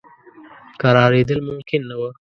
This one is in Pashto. کرارېدل ممکن نه وه.